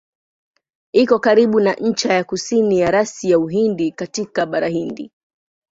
Iko karibu na ncha ya kusini ya rasi ya Uhindi katika Bahari Hindi.